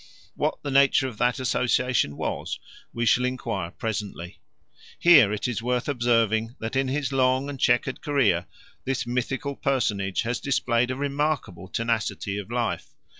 What the nature of that association was we shall enquire presently. Here it is worth observing that in his long and chequered career this mythical personage has displayed a remarkable tenacity of life.